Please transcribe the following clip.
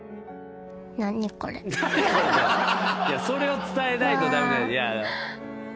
それを伝えないと駄目。